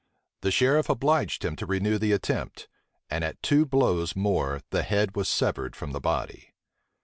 The sheriff obliged him to renew the attempt; and at two blows more the head was severed from the body.